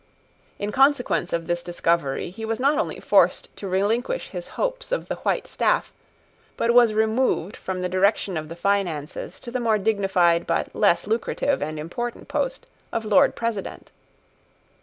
In consequence of this discovery he was not only forced to relinquish his hopes of the white staff, but was removed from the direction of the finances to the more dignified but less lucrative and important post of Lord President.